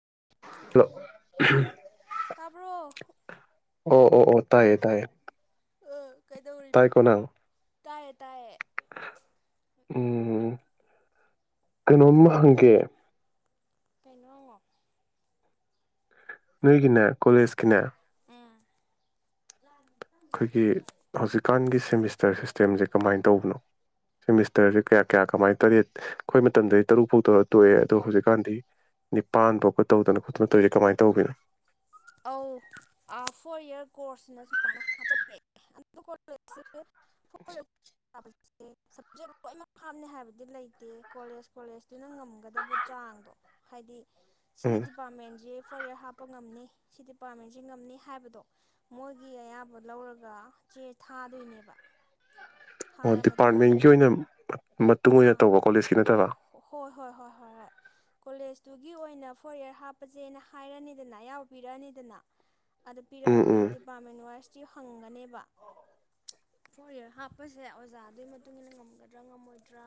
[unintelligible] ꯇꯥꯕꯔꯣ ꯑꯣ ꯑꯣ ꯑꯣ ꯇꯥꯏꯌꯦ ꯇꯥꯏꯌꯦ ꯀꯩꯗꯧꯔꯤꯕ ꯇꯥꯏꯀꯣ ꯅꯪ ꯇꯥꯏꯌꯦ ꯇꯥꯏꯌꯦ ꯎꯝ ꯀꯩꯅꯣꯝꯃ ꯍꯪꯒꯦ ꯀꯩꯅꯣ ꯍꯪꯉꯣ ꯅꯣꯏꯒꯤꯅꯦ ꯀꯣꯂꯦꯖꯀꯤꯅꯦ ꯎꯝ ꯑꯩꯈꯣꯏꯒꯤ ꯇꯦꯝꯖꯦ ꯀꯃꯥꯏꯟ ꯇꯧꯕꯅꯣ ꯁꯦꯃꯤꯁꯇꯔꯖꯦ ꯀꯌꯥ ꯀꯌꯥ ꯀꯃꯥꯏ ꯇꯔꯦꯠ ꯈꯣꯏ ꯃꯇꯝꯗꯗꯤ ꯇꯔꯨꯛ ꯐꯧ ꯇꯧꯔ ꯇꯣꯛꯑꯦ ꯑꯗꯣ ꯍꯨꯖꯤꯛꯀꯥꯟꯗꯤ ꯅꯤꯄꯥꯟ ꯐꯧ ꯒ ꯇꯧꯗꯅ ꯈꯣꯠꯇꯅ ꯇꯧꯏꯖꯦ ꯀꯃꯥꯏ ꯇꯧꯒ ꯑꯧ ꯑꯥ ꯐꯣꯔ ꯏꯌꯥꯔ ꯀꯣꯔꯁꯁꯤꯅ ꯁꯨꯃꯥꯏꯅ ꯍꯥꯞꯆꯜꯂꯦ [unintelligible] [unintelligible] ꯁꯕꯖꯦꯛ ꯂꯣꯏꯃꯛ ꯍꯥꯞꯅꯤ ꯍꯥꯏꯕꯗꯤ ꯂꯩꯇꯦ ꯀꯣꯂꯦꯖ ꯀꯣꯂꯦꯖꯇꯨꯅ ꯉꯝꯒꯗꯕ ꯆꯥꯡꯗꯣ ꯍꯥꯏꯗꯤ ꯁꯤꯒꯤ ꯎꯝ ꯗꯤꯄꯥꯔꯃꯦꯟꯖꯤ ꯐꯣꯔ ꯌꯔ ꯍꯥꯞꯄ ꯉꯝꯅꯤ ꯁꯤ ꯗꯤꯄꯥꯔꯃꯦꯟꯖꯤ ꯉꯝꯅꯤ ꯍꯥꯏꯕꯗꯣ ꯃꯣꯏꯒꯤ ꯑꯌꯥꯕ ꯂꯧꯔꯒ ꯆꯦ ꯊꯥꯗꯣꯏꯅꯦꯕ ꯑꯣ ꯊꯥꯔ ꯃꯇꯨꯡꯗ ꯗꯤꯄꯥꯔꯠꯃꯦꯟꯀꯤ ꯑꯣꯏꯅ ꯃꯇꯨꯡ ꯑꯣꯏꯅ ꯑꯥ ꯇꯧꯕ ꯀꯣꯂꯦꯖꯀꯤ ꯅꯠꯇꯕ ꯀꯣꯂꯦꯁꯇꯨꯒꯤ ꯑꯣꯏꯅ ꯐꯣꯔ ꯏꯌꯥꯔ ꯍꯥꯞꯄꯁꯦꯅ ꯍꯥꯏꯔꯅꯤꯗꯅ ꯌꯥꯎ ꯄꯤꯔꯅꯤꯗꯅ ꯑꯗꯨꯗ ꯎꯝ ꯄꯤꯔꯛꯑꯒ ꯎꯝ ꯗꯤꯄꯥꯔꯠꯃꯦꯟ ꯋꯥꯏꯁꯇꯤ ꯍꯪꯒꯅꯦꯕ ꯐꯣꯔ ꯏꯌꯥꯔ ꯍꯥꯞꯄꯁꯦ ꯑꯣꯖꯥ ꯑꯗꯨꯏ ꯃꯇꯨꯡ ꯏꯟꯅ ꯉꯝꯒꯗ꯭ꯔꯥ ꯉꯝꯃꯣꯏꯗ꯭ꯔꯥ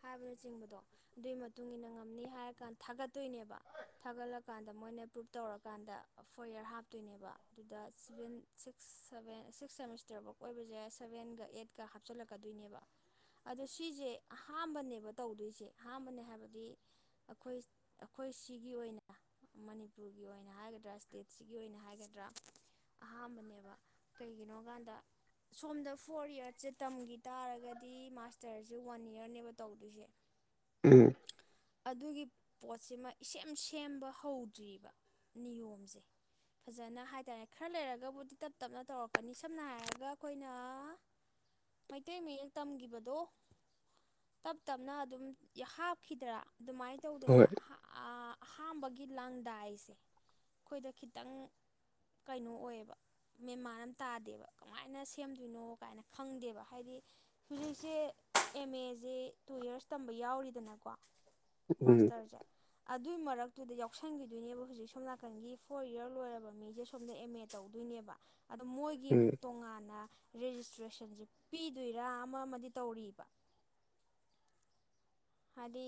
ꯍꯥꯏꯕꯅꯆꯤꯡꯕꯗꯣ ꯑꯗꯨꯏ ꯃꯇꯨꯡ ꯏꯟꯅ ꯉꯝꯅꯤ ꯍꯥꯏꯔꯀꯥꯟꯗ ꯊꯥꯒꯠꯇꯣꯏꯅꯦꯕ ꯊꯥꯒꯠꯂꯀꯥꯟꯗ ꯃꯣꯏꯅ ꯄ꯭ꯔꯨꯞ ꯇꯧꯔꯀꯥꯟꯗ ꯐꯣꯔ ꯏꯌꯥꯔ ꯍꯥꯞ ꯇꯣꯏꯅꯦꯕ ꯑꯗꯨꯗ ꯁꯤꯚꯦꯟ ꯁꯤꯛꯁ ꯁꯚꯦꯟ ꯁꯤꯛꯁ ꯁꯦꯃꯤꯁꯇꯔꯐꯛ ꯑꯣꯏꯕꯁꯦ ꯁꯕꯦꯟꯒ ꯑꯩꯠꯀ ꯍꯥꯞꯆꯤꯜꯂꯛꯀꯗꯣꯏꯅꯦꯕ ꯑꯗꯣ ꯁꯤꯁꯦ ꯑꯍꯥꯝꯕꯅꯦꯕ ꯇꯧꯗꯣꯏꯁꯦ ꯑꯍꯥꯝꯕꯅꯦ ꯍꯥꯏꯕꯗꯤ ꯑꯩꯈꯣꯏ ꯑꯩꯈꯣꯏ ꯁꯤꯒꯤ ꯑꯣꯏꯅ ꯃꯅꯤꯄꯨꯔꯒꯤ ꯑꯣꯏꯅ ꯍꯥꯏꯒꯗ꯭ꯔꯥ ꯏꯁꯇꯦꯠꯁꯤꯒꯤ ꯑꯣꯏꯅ ꯍꯥꯏꯒꯗ꯭ꯔꯥ ꯑꯍꯥꯥꯟꯕꯅꯦꯕ ꯀꯩꯒꯤꯅꯣꯀꯥꯟꯗ ꯁꯣꯝꯗ ꯐꯣꯔ ꯏꯌꯥꯔꯁꯁꯦ ꯇꯝꯈꯤ ꯇꯥꯔꯒꯗꯤ ꯃꯥꯁꯇꯔꯁꯦ ꯋꯥꯟ ꯏꯌꯥꯔꯅꯦꯕ ꯇꯧꯗꯣꯏꯁꯦ ꯎꯝ ꯑꯗꯨꯒꯤ ꯄꯣꯠꯁꯤꯃ ꯏꯁꯦꯝ ꯁꯦꯝꯕ ꯍꯧꯗ꯭ꯔꯤꯕꯔꯤꯕ ꯅꯤꯌꯣꯝꯁꯦ ꯐꯖꯅ ꯍꯥꯏꯇꯥꯔꯦ ꯈꯔ ꯂꯩꯔꯒꯕꯨꯗꯤ ꯇꯞ ꯇꯞꯅ ꯇꯧꯔꯛꯀꯅꯤ ꯁꯝꯅ ꯍꯥꯏꯔꯒ ꯑꯩꯈꯣꯏꯅ ꯃꯩꯇꯩ ꯃꯌꯦꯛ ꯇꯝꯈꯤꯕꯗꯣ ꯇꯞ ꯇꯞꯅ ꯑꯗꯨꯝ ꯍꯥꯞꯈꯤꯗ꯭ꯔꯥ ꯑꯗꯨꯃꯥꯏꯅ ꯇꯧꯗꯅ ꯍꯣꯏ ꯑꯍꯥꯝꯕꯒꯤ ꯂꯥꯡꯗꯥꯏꯁꯦ ꯑꯩꯈꯣꯏꯗ ꯈꯤꯇꯪ ꯀꯩꯅꯣ ꯑꯣꯏꯌꯦꯕ ꯃꯦꯟꯃꯥꯟ ꯑꯃ ꯇꯥꯗꯦꯕ ꯀꯃꯥꯏꯅ ꯁꯦꯝꯗꯣꯏꯅꯣ ꯀꯥꯏꯅ ꯈꯪꯗꯦꯕ ꯍꯥꯏꯗꯤ ꯍꯧꯖꯤꯛꯁꯦ ꯑꯦꯝ ꯑꯦꯁꯦ ꯇꯨ ꯌꯔꯁ ꯇꯝꯕ ꯌꯥꯎꯔꯤꯗꯅꯀꯣ ꯎꯝ ꯃꯥꯁꯇꯔꯁꯦ ꯑꯗꯨꯏ ꯃꯔꯛꯇꯨꯗ ꯌꯥꯎꯁꯟꯈꯤꯗꯣꯏꯅꯦꯕ ꯍꯧꯖꯤꯛ ꯁꯣꯝ ꯅꯥ ꯉꯆꯪꯒꯤ ꯐꯣꯔ ꯏꯌꯥꯔ ꯂꯣꯏꯔꯕ ꯃꯤꯁꯦ ꯁꯣꯝꯗ ꯑꯦꯝ ꯑꯦ ꯇꯧꯗꯣꯏꯅꯦꯕ ꯑꯗꯣ ꯃꯣꯏꯒꯤ ꯎꯝ ꯑꯃꯨꯛ ꯇꯣꯉꯥꯟꯅ ꯔꯦꯖꯤꯁꯇ꯭ꯔꯦꯁꯟꯁꯤ ꯄꯤꯗꯣꯏꯔꯥ ꯑꯃ ꯑꯃꯗꯤ ꯇꯧꯔꯤꯕ ꯍꯥꯏꯗꯤ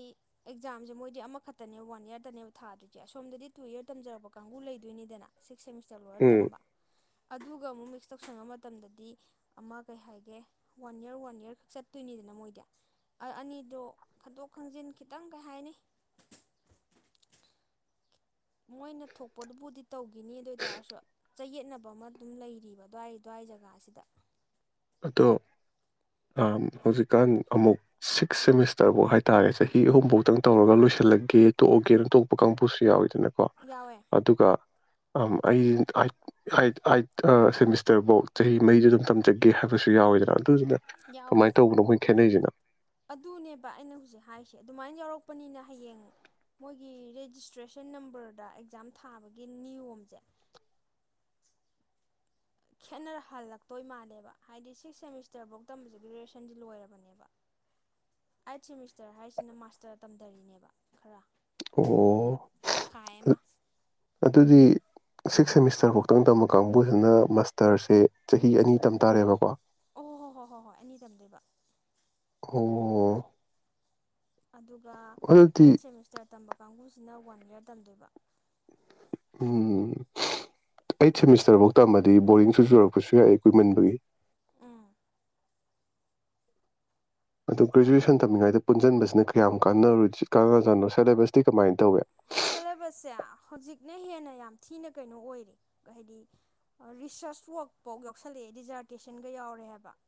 ꯑꯦꯛꯖꯥꯝꯁꯦ ꯃꯣꯏꯗꯤ ꯑꯃꯈꯛꯇꯅꯦꯕ ꯋꯥꯟ ꯏꯔꯗꯅꯦꯕ ꯊꯥꯗ꯭ꯣꯏꯁꯦ ꯑꯁꯣꯝꯗꯗꯤ ꯇꯨ ꯏꯔ ꯇꯝꯖꯔꯛꯄ ꯀꯥꯡꯕꯨ ꯂꯩꯗꯣꯏꯅꯤꯗꯅ ꯁꯤꯁ ꯁꯤꯛꯁ ꯁꯦꯃꯤꯁꯇꯔ ꯂꯣꯏꯔ ꯎꯝ ꯇꯝꯕ ꯑꯗꯨꯒ ꯑꯃꯨꯛ ꯃꯤꯛꯁ ꯇꯧꯁꯟꯕ ꯃꯇꯝꯗꯗꯤ ꯑꯃ ꯀꯩ ꯍꯥꯏꯒꯦ ꯋꯥꯟ ꯌꯔ ꯋꯥꯟ ꯌꯔ ꯈꯛ ꯆꯠꯇꯣꯏꯅꯤꯗꯅ ꯃꯣꯏꯗꯤ ꯑꯅꯤꯗꯣ ꯈꯟꯗꯣꯛ ꯈꯟꯖꯤꯟ ꯈꯤꯇꯪ ꯀꯩ ꯍꯥꯏꯅꯤ ꯃꯣꯏꯅ ꯊꯣꯛꯄꯗꯨꯕꯨꯗꯤ ꯇꯧꯈꯤꯅꯤ ꯑꯗꯨ ꯑꯣꯏ ꯇꯔꯁꯨ ꯆꯌꯦꯠꯅꯕ ꯑꯃ ꯑꯗꯨꯝ ꯂꯩꯔꯤꯕ ꯑꯗꯨꯋꯥꯏ ꯑꯗꯨꯋꯥꯏ ꯖꯒꯥꯁꯤꯗ ꯑꯗꯣ ꯍꯧꯖꯤꯛꯀꯥꯟ ꯑꯃꯨꯛ ꯁꯤꯛꯁ ꯁꯦꯃꯤꯁꯇꯔꯐꯧ ꯍꯥꯏꯇꯥꯔꯦ ꯆꯍꯤ ꯑꯍꯨꯝꯐꯧꯇꯪ ꯇꯧꯔꯒ ꯂꯣꯏꯁꯤꯜꯂꯛꯒꯦ ꯇꯣꯛꯑꯒꯦꯅ ꯇꯣꯛꯄ ꯀꯥꯡꯕꯨꯁꯨ ꯌꯥꯎꯋ ꯑꯗꯨꯅꯀꯣ ꯌꯥꯎꯋꯦ ꯑꯗꯨꯒ ꯑ ꯑꯩ ꯑ ꯑꯠ ꯁꯦꯃꯤꯁꯇꯔꯐꯧ ꯆꯍꯤ ꯃꯔꯤꯗꯨ ꯑꯗꯨꯝ ꯇꯝꯖꯒꯦ ꯀꯦ ꯍꯥꯏꯕꯁꯨ ꯌꯥꯎꯋꯣꯏꯗ꯭ꯔꯥ ꯑꯗꯨꯅ ꯌꯥꯎꯋꯦ ꯀꯃꯥꯏꯅ ꯇꯧꯕꯅꯣ ꯃꯈꯣꯏ ꯈꯦꯠꯅꯩꯁꯤꯅ ꯑꯗꯨꯅꯦꯕ ꯑꯩꯅ ꯍꯧꯖꯤꯛ ꯍꯥꯏꯔꯤꯁꯦ ꯑꯗꯨꯃꯥꯏꯅ ꯌꯥꯎꯔꯛꯄꯅꯤꯅ ꯍꯌꯦꯡ ꯃꯣꯏꯒꯤ ꯔꯦꯖꯤꯁꯇ꯭ꯔꯦꯁꯟ ꯅꯝꯕꯔꯗ ꯑꯦꯛꯖꯥꯝ ꯊꯥꯕꯒꯤ ꯅꯤꯌꯣꯝꯁꯦ ꯈꯦꯠꯅꯔ ꯍꯜꯂꯛꯇꯣꯏ ꯃꯥꯜꯂꯦꯕ ꯍꯥꯏꯗꯤ ꯁꯤꯛꯁ ꯁꯦꯃꯤꯁꯇꯔꯐꯧ ꯇꯝꯕꯁꯦ ꯒ꯭ꯔꯦꯖꯨꯑꯦꯁꯟꯁꯤ ꯂꯣꯏꯔꯕꯅꯦꯕ ꯑꯥꯏꯠ ꯁꯦꯃꯤꯁꯇꯔ ꯍꯥꯏꯁꯤꯅ ꯃꯥꯁꯇꯔ ꯇꯝꯊꯔꯤꯅꯦꯕ ꯈꯔ ꯇꯪꯈꯥꯏ ꯑꯣ ꯑꯃ ꯑꯗꯨꯗꯤ ꯁꯤꯛꯁ ꯁꯦꯃꯤꯁꯇꯔꯐꯧꯇꯪ ꯇꯝꯕ ꯀꯥꯡꯕꯨꯁꯤꯅ ꯃꯥꯁꯇꯔꯁꯦ ꯆꯍꯤ ꯑꯅꯤ ꯇꯝ ꯇꯥꯔꯦꯕꯀꯣ ꯑꯣ ꯍꯣ ꯍꯣꯏ ꯍꯣꯏ ꯍꯣꯏ ꯑꯅꯤ ꯇꯝꯗꯣꯏꯕ ꯑꯣ ꯑꯗꯨꯒ ꯑꯩꯠ ꯑꯗꯨꯗꯤ ꯁꯦꯃꯤꯁꯇꯔ ꯇꯝꯕ ꯀꯥꯡꯕꯨꯁꯤꯅ ꯋꯥꯟ ꯏꯌꯥꯔ ꯇꯝꯗꯣꯏꯕ ꯎꯝ ꯑꯩꯠ ꯁꯦꯃꯤꯁꯇꯔꯐꯧ ꯇꯝꯃꯗꯤ ꯕꯣꯔꯗꯤꯡꯁꯨ ꯆꯨꯔꯛꯄꯁꯨ ꯌꯥꯏ ꯀꯨꯏꯃꯟꯕꯒꯤ ꯎꯝ ꯑꯗ ꯒꯦꯨꯑꯁꯟꯝꯃꯤꯉꯩꯗ ꯄꯨꯟꯁꯤꯟꯕꯁꯤꯅ ꯀꯌꯥꯝ ꯀꯥꯟꯔ ꯀꯥꯟꯅꯖꯠꯅꯣ ꯁꯦꯂꯦꯕꯁꯇꯤ ꯀꯃꯥꯏꯅ ꯇꯧꯏꯦ ꯁꯦꯂꯦꯕꯁꯁꯦ ꯍꯧꯖꯤꯛꯅ ꯍꯦꯟꯅ ꯌꯥꯝ ꯊꯤꯅ ꯀꯩꯅꯣ ꯑꯣꯏꯔꯤꯦ ꯍꯥꯏꯗꯤ ꯔꯤꯁꯔꯁ ꯋꯥꯔꯛꯐꯥꯎ ꯌꯥꯎꯁꯜꯂꯛꯑꯦ ꯔꯤꯖꯥꯔꯇꯦꯁꯟꯒ ꯌꯥꯎꯔꯦ ꯍꯥꯏꯕ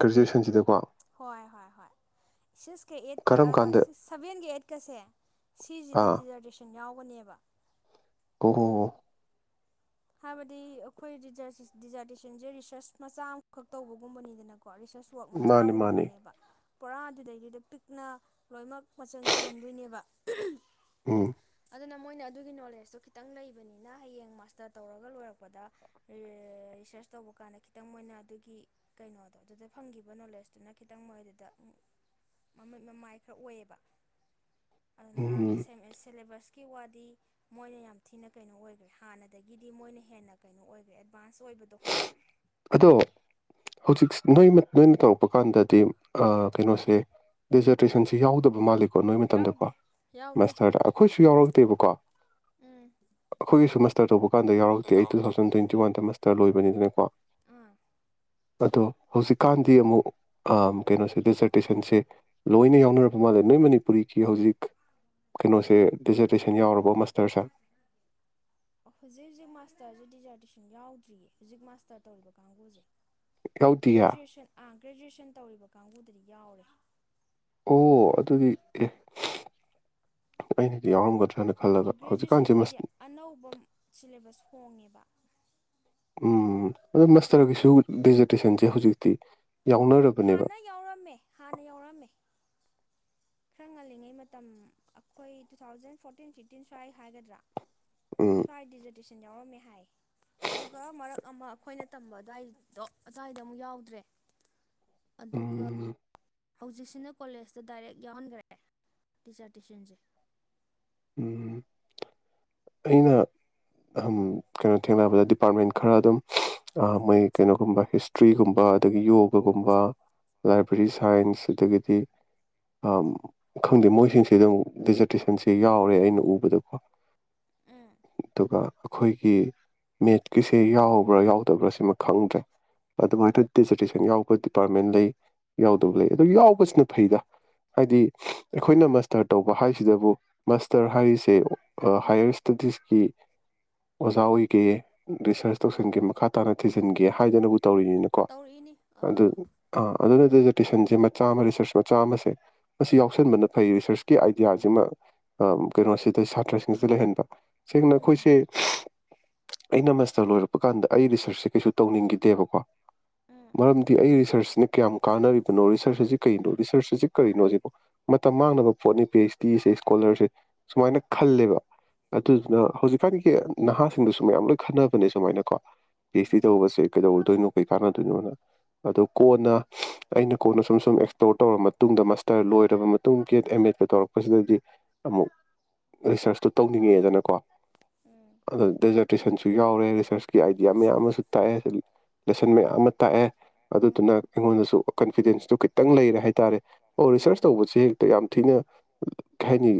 ꯒ꯭ꯔꯦꯖꯨꯑꯦꯁꯟꯁꯤꯗꯀꯣ ꯍꯣꯏ ꯍꯣꯏ ꯍꯣꯏ ꯁꯤꯛꯁꯀ ꯑꯩꯠꯀ ꯀꯔꯝ ꯀꯥꯟꯗ ꯁꯤ ꯁꯚꯦꯟꯒ ꯑꯩꯠꯀꯁꯦ ꯁꯤꯁꯤꯗ ꯑꯥ ꯗꯤꯖꯔꯇꯦꯁꯟ ꯌꯥꯎꯕ ꯍꯅꯦꯕ ꯀꯨꯍ ꯍꯥꯏꯕꯗꯤ ꯑꯩꯈꯣꯏ ꯗꯤꯖꯥꯔꯇꯦꯁꯟꯁꯦ ꯔꯤꯁꯔꯁ ꯃꯆꯥ ꯑꯃꯈꯛ ꯇꯧꯕꯒꯨꯝꯕꯅꯤꯗꯅꯀꯣ ꯀꯣ ꯔꯤꯁꯔꯁ ꯋꯛ ꯃꯆꯥ ꯃꯥꯅꯦ ꯃꯥꯅꯦ ꯑꯃꯒꯨꯝꯕꯅꯦꯕ ꯣꯔꯥꯗꯨꯗꯩꯗꯨꯗ ꯄꯤꯛꯅ ꯂꯣꯏꯅꯃꯛ ꯃꯆꯜ ꯁꯨꯍꯟꯗꯣꯏꯅꯦꯕ ꯑ ꯑꯗꯨꯅ ꯃꯣꯏꯅ ꯑꯗꯨꯒꯤ ꯅꯣꯂꯦꯖꯇꯨ ꯈꯤꯇꯪ ꯂꯩꯕꯅꯤꯅ ꯍꯌꯦꯡ ꯃꯥꯁꯇꯔ ꯇꯧꯔꯒ ꯂꯣꯏꯔꯛꯄꯗ ꯔꯤꯁꯔꯁ ꯇꯧꯕ ꯀꯥꯟꯗ ꯈꯤꯇꯪ ꯃꯣꯏꯅ ꯑꯗꯨꯒꯤ ꯀꯩꯅꯣꯗꯣ ꯑꯗꯨꯗ ꯐꯪꯈꯤꯕ ꯅꯣꯂꯦꯖꯇꯨꯅ ꯈꯤꯇꯪ ꯃꯣꯏꯗꯨꯗ ꯃꯃꯥꯏ ꯈꯔ ꯑꯣꯏꯌꯦꯕ ꯑꯗꯨꯅ ꯎꯝ ꯁꯤꯂꯦꯕꯁ ꯀꯤ ꯋꯥꯗꯤ ꯃꯣꯏꯅ ꯌꯥꯝ ꯊꯤꯅ ꯀꯩꯅꯣ ꯑꯣꯏꯈ꯭ꯔꯦ ꯍꯥꯟꯅ ꯑꯗꯒꯤꯗꯤ ꯃꯣꯏꯅ ꯍꯦꯟꯅ ꯀꯩꯅꯣ ꯑꯣꯏꯈ꯭ꯔꯦ ꯚꯁ ꯑꯣꯏꯕꯗꯣ ꯍꯧꯖꯤꯛꯁ ꯅꯣꯏ ꯅꯣꯏꯅ ꯇꯧꯔꯛꯄ ꯀꯥꯟꯗꯗꯤ ꯀꯩꯅꯣꯁꯦ ꯗꯦꯖꯔꯇꯦꯁꯟꯁꯦ ꯌꯥꯎꯗꯕ ꯃꯥꯜꯂꯤꯀꯣ ꯅꯣꯏ ꯌꯥꯎꯗꯦ ꯌꯥꯎꯗꯦ ꯃꯇꯝꯗꯀꯣꯁꯇꯔꯗ ꯑꯩꯈꯣꯏꯁꯨ ꯌꯥꯎꯔꯛꯇꯦꯕꯀꯣ ꯎꯝ ꯑꯩꯈꯣꯏꯒꯤ ꯇꯕꯨ ꯀꯀꯥꯟ ꯌꯥꯎꯔꯛꯇꯦ ꯑꯩ ꯇꯨ ꯊꯥꯎꯟ ꯇ꯭ꯋꯇ ꯋꯥꯗ ꯇ ꯂꯣꯏꯕꯅꯤꯗꯅꯀꯣ ꯑꯥ ꯑꯗꯣ ꯍꯧꯖꯤꯛꯀꯥꯟꯗꯤ ꯑꯃꯨꯛ ꯀꯩꯅꯣꯁꯦ ꯗꯦꯖꯔꯇꯦꯁꯟꯁꯦ ꯂꯣꯏꯅ ꯌꯥꯎꯅꯄ ꯃꯥꯜꯂꯦ ꯅꯣꯏ ꯃꯅꯤꯄꯨꯔꯤꯒꯤ ꯍꯧꯖꯤꯛ ꯀꯩꯅꯣꯁꯦ ꯗꯦꯖꯔꯇꯦꯁꯟ ꯌꯥꯎꯔꯕ ꯃꯁꯇꯔꯁꯦ ꯍꯧꯖꯤꯛ ꯍꯧꯖꯤꯛ ꯃꯥꯁꯇꯔꯁꯦ ꯗꯤꯖꯥꯔꯇꯦꯁꯟ ꯌꯥꯎꯗ꯭ꯔꯤꯌꯦ ꯍꯧꯖꯤꯛ ꯃꯥꯁꯇꯔ ꯇꯧꯔꯤꯕ ꯀꯥꯡꯕꯨꯁꯦ ꯌꯥꯎꯗꯤꯌꯦ ꯭ꯔꯦꯖꯨꯋꯌꯦꯁꯟ ꯑ ꯒ꯭ꯔꯦꯖꯨꯑꯌꯦꯁꯟ ꯇꯧꯔꯤꯕ ꯀꯥꯡꯕꯨꯗꯗꯤ ꯌꯥꯎꯔꯦ ꯑꯣ ꯑꯗꯨꯗꯤ ꯑꯦ ꯑꯩꯅꯗꯤ ꯌꯥꯎꯔꯝꯒꯗ꯭ꯔꯥꯅ ꯒ꯭ꯔꯦꯖꯨꯋꯦꯁꯟꯒꯤꯗꯤ ꯑꯅꯧꯕ ꯁꯤꯂꯦꯕꯁ ꯑꯣꯏ ꯍꯣꯡꯉꯤꯕ ꯎꯝ ꯑꯗꯨ ꯃꯁꯇꯔꯒꯤꯁꯨ ꯗꯤꯖꯤꯇꯦꯁꯟꯁꯦ ꯍꯧꯖꯤꯛꯇꯤ ꯌꯥꯎꯅꯔꯕꯅꯦꯕ ꯍꯥꯟꯅ ꯌꯥꯎꯔꯝꯃꯦ ꯍꯥꯟꯅ ꯌꯥꯎꯔꯝꯃꯦ ꯈꯔ ꯉꯜꯂꯤꯉꯩ ꯃꯇꯝ ꯑꯩꯈꯣꯏ ꯇꯨ ꯊꯥꯎꯖꯟ ꯐꯣꯔꯇꯤꯟ ꯐꯤꯐꯇꯤꯟ ꯁ꯭ꯋꯥꯏ ꯍꯥꯏꯒꯗ꯭ꯅꯔꯥ ꯎꯝ ꯁꯥꯏꯗꯤꯖꯁ ꯁꯤꯖ ꯃꯦꯍꯥꯏ ꯑꯗꯨꯒ ꯃꯔꯛ ꯑꯃ ꯑꯩꯈꯣꯏꯅ ꯇꯝꯕ ꯑꯗꯨꯋꯥꯏꯗꯣ ꯑꯗꯨꯋꯥꯏꯗ ꯑꯃꯨꯛ ꯌꯥꯎꯗ꯭ꯔꯦ ꯑꯗꯨꯒ ꯎꯝ ꯍꯧꯖꯤꯛꯁꯤꯅ ꯀꯣꯂꯦꯖꯇ ꯗꯥꯏꯔꯦꯛ ꯌꯥꯎꯍꯟꯈ꯭ꯔꯦ ꯇꯤꯆꯔꯇꯨꯋꯁꯟꯁꯦ ꯎꯝ ꯑꯩꯅ ꯑꯍꯝ ꯀꯩꯅꯣ ꯊꯦꯡꯅꯕꯗ ꯗꯤꯄꯥꯔꯠꯃꯦꯟ ꯈꯔ ꯑꯗꯨꯝ ꯃꯣꯏ ꯀꯩꯅꯣꯒꯨꯝꯕ ꯍꯤꯁꯇ꯭ꯔꯤꯒꯨꯝꯕ ꯑꯗꯒꯤ ꯌꯣꯒꯒꯨꯝꯕ ꯂꯥꯏꯕ꯭ꯔꯦꯔꯤ ꯎꯝ ꯁꯥꯏꯟꯁ ꯑꯗꯒꯤ ꯑꯝ ꯈꯪꯗꯦ ꯃꯣꯏꯁꯤꯡꯁꯤꯗ ꯑꯃꯨꯛ ꯗꯤꯖꯔꯇꯦꯁꯟꯁꯤ ꯁꯤ ꯌꯥꯎꯔꯦ ꯑꯩꯅ ꯎꯕꯗꯀꯣ ꯎꯝ ꯑꯗꯨꯒ ꯑꯩꯈꯣꯏꯒꯤ ꯃꯦꯠꯀꯤꯁꯦ ꯌꯥꯎꯕ꯭ꯔꯥ ꯌꯥꯎꯗꯕ꯭ꯔꯥ ꯁꯤꯃ ꯈꯪꯗ꯭ꯔꯦ ꯑꯗꯨꯃꯥꯏꯅ ꯎꯝ ꯗꯗꯤꯖꯔꯇꯦꯁꯟ ꯌꯥꯎꯕ ꯗꯤꯄꯥꯔꯠꯃꯦꯟ ꯂꯩ ꯌꯥꯎꯗꯕ ꯂꯩ ꯑꯗꯨ ꯌꯥꯎꯕꯁꯤꯅ ꯐꯩꯗ ꯍꯥꯏꯗꯤ ꯑꯩꯈꯣꯏꯅ ꯃꯥꯁꯇꯔ ꯇꯧꯕ ꯍꯥꯏꯁꯤꯗꯕꯨ ꯃꯥꯁꯇꯔ ꯍꯥꯏꯔꯤꯁꯦ ꯍꯥꯏꯌꯔ ꯏꯁꯇꯗꯤꯁꯀꯤ ꯑꯣꯖꯥ ꯑꯣꯏꯒꯦ ꯔꯤꯁꯔꯁ ꯃꯥꯅꯤ ꯇꯧꯁꯟꯒꯦ ꯃꯈꯥ ꯇꯥꯅ ꯊꯤꯖꯤꯟꯒꯦ ꯍꯥꯏꯗꯅꯕꯨ ꯇꯧꯔꯤꯅꯤꯅꯀꯣ ꯇꯧꯔꯛꯏꯅꯤ ꯑꯗꯨ ꯑꯥ ꯑꯥ ꯑꯗꯨꯅꯗꯤ ꯁꯟ ꯃꯆꯥ ꯑꯃ ꯔꯤꯁꯔꯁ ꯃꯆꯥ ꯑꯃꯁꯦ ꯃꯁꯤ ꯌꯥꯎꯁꯟꯕꯅ ꯐꯩ ꯔꯤꯁꯔꯁꯀꯤ ꯑꯥꯏꯗꯤꯌꯥꯁꯤꯃ ꯑ ꯀꯩꯅꯣꯁꯤꯗ ꯁꯥꯇ꯭ꯔꯁꯤꯡꯁꯤ ꯂꯩꯍꯟꯕ ꯁꯤꯒꯤꯅ ꯎꯝ ꯈꯣꯏꯁꯤ ꯑꯩꯅ ꯃꯁꯇꯔ ꯂꯣꯏꯔꯛꯄ ꯀꯥꯟꯗ ꯑꯩ ꯔꯤꯁꯔꯁꯁꯦ ꯀꯩꯁꯨ ꯇꯧꯅꯤꯡꯈꯤꯗꯦꯕꯀꯣ ꯎꯝ ꯃꯔꯝꯗꯤ ꯑꯩ ꯔꯤꯁꯔꯁꯅꯤ ꯀꯌꯥꯝ ꯀꯥꯟꯅꯔꯤꯕꯅꯣ ꯔꯤꯁꯔꯁ ꯑꯁꯤ ꯀꯔꯤꯅꯣ ꯔꯤꯁꯔꯁ ꯑꯁꯤ ꯀꯔꯤꯅꯣ ꯁꯤꯕꯣ ꯃꯇꯝ ꯃꯥꯡꯅꯕ ꯄꯣꯠꯅꯤ ꯄꯤ ꯑꯩꯩꯆ ꯗꯤꯁꯦ ꯏꯁꯀꯣꯂꯔꯁꯦ ꯁꯨꯃꯥꯏꯅ ꯈꯜꯂꯦꯕ ꯑꯗꯨꯗꯨꯅ ꯎꯝ ꯍꯧꯖꯤꯛ ꯐꯗꯤꯒꯤ ꯅꯍꯥꯁꯤꯡꯗꯨꯁꯨ ꯃꯌꯥꯝ ꯂꯣꯏ ꯈꯟꯅꯕꯅꯦ ꯁꯨꯃꯥꯏꯅ ꯀꯣ ꯄꯤ ꯍꯁ ꯗꯤ ꯎꯝ ꯇꯧꯕꯁꯦ ꯀꯩꯗꯧꯔꯗꯣꯏꯅꯣ ꯀꯩ ꯀꯥꯟꯅꯗꯣꯏꯅꯣꯅ ꯑꯗꯨ ꯎꯝ ꯀꯣꯟꯅ ꯑꯩꯅ ꯀꯣꯟꯅ ꯁꯨꯝ ꯁꯨꯝ ꯑꯦꯛꯁꯄ꯭ꯂꯣꯔ ꯇꯧꯔꯕ ꯃꯇꯨꯡꯗ ꯃꯥꯁꯇꯔ ꯂꯣꯏꯔꯕ ꯃꯇꯨꯡꯒꯤ ꯑꯦꯝ ꯑꯦꯗ ꯇꯧꯔꯛꯄꯁꯤꯗꯗꯤ ꯑꯃꯨꯛ ꯔꯤꯁꯔꯁꯇꯨ ꯇꯧꯅꯤꯡꯉꯦꯗꯅꯀꯣ ꯎꯝ ꯑꯗꯣ ꯗꯦꯖꯔꯇꯦꯁꯟꯁꯨ ꯌꯥꯎꯔꯦ ꯔꯤꯁꯔꯁꯀꯤ ꯑꯥꯏꯗꯤꯌꯥ ꯃꯌꯥꯝ ꯑꯃꯁꯨ ꯇꯥꯛꯑꯦ ꯂꯦꯁꯟ ꯃꯌꯥꯝ ꯑꯃ ꯇꯥꯛꯑꯦ ꯑꯗꯨꯗꯨꯅ ꯎꯝ ꯑꯩꯉꯣꯟꯗꯁꯨ ꯀꯟꯐꯤꯗꯦꯟꯁꯇꯨ ꯈꯤꯇꯪ ꯂꯩꯔꯦ ꯍꯥꯏꯇꯥꯔꯦ ꯑꯣ ꯔꯤꯁꯔꯁ ꯎꯝ ꯇꯧꯕꯁꯦ ꯍꯦꯛꯇ ꯌꯥꯝ ꯊꯤꯅ ꯀꯩ ꯍꯥꯏꯅꯤ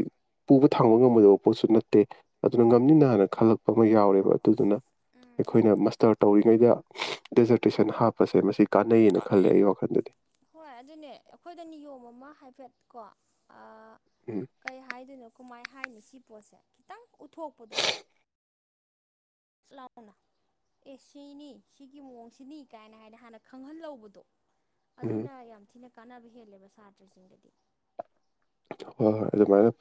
ꯄꯨꯕ ꯊꯥꯡꯕ ꯉꯝꯃꯣꯏꯗꯕ ꯄꯣꯠꯁꯨ ꯅꯠꯇꯦ ꯑꯗꯨꯅ ꯎꯝ ꯉꯝꯅꯤꯅ ꯍꯅ ꯈꯜꯂꯛꯄ ꯑꯃ ꯌꯥꯎꯔꯦꯕ ꯑꯗꯨꯗꯨꯅ ꯎꯝ ꯑꯩꯈꯣꯏꯅ ꯃꯁꯇꯔ ꯇꯧ ꯇꯧꯔꯤꯉꯩꯗ ꯗꯦꯖꯔꯇꯦꯁꯟ ꯍꯥꯞꯄꯁꯦ ꯃꯁꯤ ꯀꯥꯟꯅꯩꯌꯦꯅ ꯈꯜꯂꯦ ꯀꯥꯅꯩꯌꯦꯅ ꯑꯩꯒꯤ ꯋꯥꯈꯜꯗꯗꯤ ꯍꯣꯏ ꯑꯗꯨꯅꯦ ꯑꯩꯈꯣꯏꯗ ꯅꯤꯌꯣꯝ ꯑꯃ ꯍꯥꯏꯐꯦꯠ ꯀꯣ ꯑ ꯎꯝ ꯀꯩ ꯍꯥꯏꯗꯣꯏꯅꯣ ꯀꯃꯥꯏꯅ ꯍꯥꯏꯅꯤ ꯁꯤ ꯄꯣꯠꯁꯦ ꯈꯤꯇꯪ ꯎꯠꯊꯣꯛꯄꯗꯣ ꯂꯥꯎꯄꯅ ꯑꯦ ꯁꯤꯅꯤ ꯁꯤꯒꯤ ꯃꯑꯣꯡꯁꯤꯅꯤ ꯀꯥꯏꯅ ꯍꯥꯏꯅ ꯍꯥꯟꯅ ꯈꯪꯍꯜꯍꯧꯕꯗꯣ ꯎꯝ ꯑꯗꯨꯅ ꯌꯥꯝ ꯊꯤꯅ ꯀꯥꯟꯅꯕ ꯍꯦꯜꯂꯦꯕ ꯁꯥꯇ꯭ꯔꯁꯤꯡꯗꯗꯤ ꯍꯣꯏ ꯍꯣꯏ ꯑꯗꯨꯃꯥꯏꯅ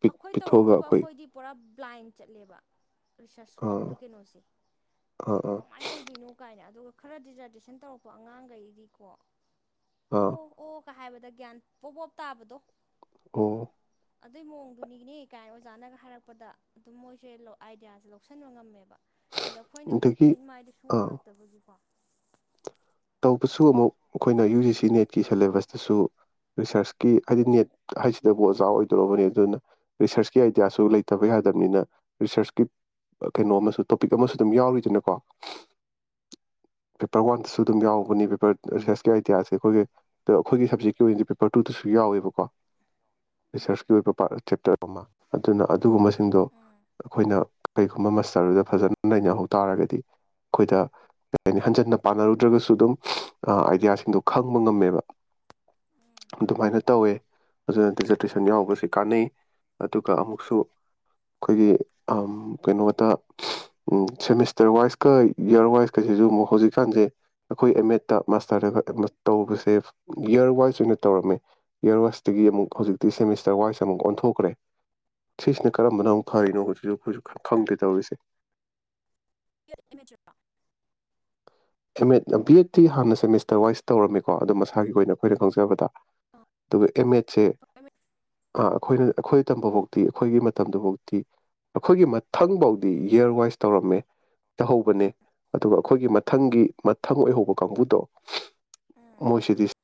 ꯄꯤꯛ ꯑꯩꯈꯣꯏ ꯄꯤꯊꯣꯛꯑꯒ ꯇꯧꯔꯛꯇꯕ ꯑꯩꯈꯣꯏ ꯑꯩꯈꯣꯏꯗꯤ ꯄꯨꯔꯥ ꯕ꯭ꯂꯥꯏꯟ ꯆꯠꯂꯦꯕ ꯔꯤꯁꯔꯁ ꯑꯥ ꯋꯥꯔꯛꯀꯤ ꯀꯩꯅꯣꯁꯦ ꯑꯥ ꯑꯥ ꯀꯃꯥꯏꯅ ꯇꯧꯗꯣꯏꯅꯣ ꯀꯥꯏꯅ ꯑꯗꯨꯒ ꯈꯔ ꯗꯤꯖꯥꯔꯇꯦꯁꯟ ꯇꯧꯔꯛꯄ ꯑꯉꯥꯡꯒꯩꯗꯤꯀꯣ ꯑꯥ ꯀ ꯍꯥꯏꯕꯗ ꯒ꯭ꯌꯥꯟ ꯄꯣꯞ ꯄꯣꯞ ꯇꯥꯕꯗꯣ ꯑꯣ ꯑꯗꯨꯏ ꯃꯑꯣꯡꯗꯨꯅꯤꯅꯦ ꯀꯥꯏꯅ ꯑꯣꯖꯥꯅꯒ ꯍꯥꯏꯔꯛꯄꯗ ꯑꯗꯨꯝ ꯃꯣꯏꯁꯦ ꯑꯥꯏꯗꯤꯌꯥꯁꯦ ꯂꯧꯁꯤꯟꯕ ꯉꯝꯃꯦꯕ ꯑꯗ ꯑꯩꯈꯣꯏꯅ ꯑꯃꯨꯛ ꯑꯗꯒꯤ ꯃꯤꯠ ꯃꯥꯏꯗ ꯁꯨ ꯑꯥ ꯎꯔꯛꯇꯕꯒꯤꯀꯣ ꯇꯧꯕꯁꯨ ꯑꯃꯨꯛ ꯑꯩꯈꯣꯏꯅ ꯌꯨ ꯖꯤ ꯁꯤ ꯅꯦꯠꯀꯤ ꯁꯦꯂꯦꯕꯁꯇꯁꯨ ꯔꯤꯁꯔꯁꯀꯤ ꯍꯥꯏꯗꯤ ꯅꯦꯠ ꯍꯥꯏꯁꯤꯗꯕꯨ ꯑꯣꯖꯥ ꯑꯣꯏꯗꯣꯔꯕꯅꯤ ꯑꯗꯨꯅ ꯔꯤꯁꯔꯁꯀꯤ ꯑꯥꯏꯗꯤꯌꯥꯁꯨ ꯂꯩꯇꯕ ꯌꯥꯗꯕꯅꯤꯅ ꯔꯤꯁꯔꯁꯀꯤ ꯀꯩꯅꯣ ꯑꯃꯁꯨ ꯇꯣꯄꯤꯛ ꯑꯃꯁꯨ ꯑꯗꯨꯝ ꯌꯥꯎꯔꯤꯗꯅꯀꯣ ꯄꯦꯄꯔ ꯋꯥꯟꯗꯁꯨ ꯑꯗꯨꯝ ꯌꯥꯎꯕꯅꯤ ꯄꯦꯄꯔ ꯔꯤꯁꯔꯁꯀꯤ ꯑꯥꯏꯗꯤꯌꯥꯁꯦ ꯑꯩꯈꯣꯏꯒꯤ ꯑꯩꯈꯣꯏꯒꯤ ꯁꯕꯖꯦꯛꯀꯤ ꯑꯣꯏꯅꯗꯤ ꯄꯦꯄꯔ ꯇꯨꯗꯁꯨ ꯌꯥꯎꯋꯦꯕꯀꯣ ꯎꯝ ꯔꯤꯁꯔꯁꯀꯤ ꯑꯣꯏꯕ ꯆꯦꯞꯇꯔ ꯑꯃ ꯑꯗꯨꯅ ꯑꯗꯨꯒꯨꯝꯕꯁꯤꯡꯗꯣ ꯑꯩꯈꯣꯏꯅ ꯀꯩꯒꯨꯝꯕ ꯃꯁꯇꯔꯗꯨꯗ ꯐꯖꯅ ꯅꯩꯅꯍꯧ ꯇꯥꯔꯒꯗꯤ ꯑꯩꯈꯣꯏꯗ ꯀꯩ ꯍꯥꯏꯅꯤ ꯍꯟꯖꯟꯅ ꯄꯥꯟꯅꯔꯨ ꯅꯠꯇ꯭ꯔꯒꯁꯨ ꯑꯗꯨꯝ ꯑꯥꯏꯗꯤꯌꯥꯁꯤꯡꯗꯣ ꯈꯪꯕ ꯉꯝꯃꯦꯕ ꯑꯗꯨꯃꯥꯏꯅ ꯇꯧꯋꯦ ꯑꯗꯨꯅ ꯗꯤꯖꯔꯇꯦꯁꯟ ꯌꯥꯎꯒꯁꯦ ꯀꯥꯟꯅꯩ ꯑꯗꯨꯒ ꯎꯝ ꯑꯃꯨꯛꯁꯨ ꯑꯩꯈꯣꯏꯒꯤ ꯀꯩꯅꯣꯗ ꯁꯦꯃꯤꯁꯇꯔ ꯋꯥꯏꯁꯀ ꯏꯌꯥꯔ ꯋꯥꯏꯁꯀꯁꯤꯁꯨ ꯑꯃꯨꯛ ꯍꯧꯖꯤꯛꯀꯥꯟꯁꯦ ꯑꯩꯈꯣꯏ ꯑꯦꯝ ꯑꯦꯗꯠꯇ ꯃꯥꯁꯇꯔꯗ ꯇꯧꯕꯁꯦ ꯏꯌꯔ ꯋꯥꯏꯁ ꯑꯣꯏꯅ ꯇꯧꯔꯝꯃꯦ ꯏꯌꯔ ꯋꯥꯏꯁꯇꯒꯤ ꯑꯃꯨꯛ ꯍꯧꯖꯤꯛꯇꯤ ꯁꯦꯃꯤꯁꯇꯔ ꯋꯥꯏꯁ ꯑꯃꯨꯛ ꯑꯣꯟꯊꯣꯛꯈ꯭ꯔꯦ ꯁꯤꯁꯤꯅ ꯀꯔꯝꯕꯅ ꯑꯃꯨꯛ ꯐꯔꯤꯅꯣ ꯍꯧꯖꯤꯛꯁꯨ ꯑꯩꯈꯣꯏꯁꯨ ꯈꯪꯗꯦ ꯇꯧꯔꯤꯁꯦ ꯃꯦ ꯆ ꯑꯦꯝ ꯑꯦꯗ ꯕꯤ ꯑꯦꯗꯇꯤ ꯍꯥꯟꯅ ꯁꯦꯃꯤꯁꯇꯔ ꯋꯥꯏꯁ ꯇꯧꯔꯝꯃꯤꯀꯣ ꯑꯗꯣ ꯃꯁꯥꯒꯤ ꯑꯣꯏꯅ ꯑꯩꯈꯣꯏꯅ ꯈꯪꯖꯕꯗ ꯑꯗꯨꯒ ꯑꯦꯝ ꯑꯦꯠꯁꯦ ꯑꯩꯈꯣꯏꯅ ꯑꯩꯈꯣꯏ ꯇꯝꯝꯕ ꯐꯥꯎꯗꯤꯤ ꯑꯩꯈꯣꯏꯒꯤ ꯃꯇꯝꯗꯨꯐꯥꯎꯗꯤꯤ ꯑꯩꯈꯣꯏꯒꯤ ꯃꯊꯪꯐꯥꯎꯗꯤ ꯏꯌꯥꯔ ꯋꯥꯏꯁ ꯇꯧꯔꯝꯃꯦ ꯇꯧꯍꯧꯕꯅꯦ ꯑꯗꯨꯒ ꯑꯩꯈꯣꯏꯒꯤ ꯃꯊꯪꯒꯤ ꯃꯊꯪ ꯑꯣꯏꯍꯧꯕ ꯀꯥꯡꯕꯨꯗꯣ ꯃꯣꯁꯤꯗꯤꯁ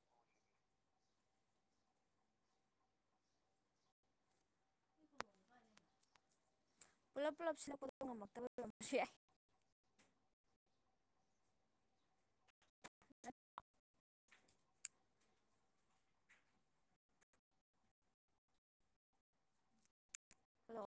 ꯄꯨꯂꯞ ꯄꯨꯂꯞꯁꯤꯅ ꯄꯨꯄ ꯉꯝꯃꯛꯇꯕ ꯑꯣꯏꯔꯝꯃꯁꯨ ꯌꯥꯏ ꯍꯂꯣ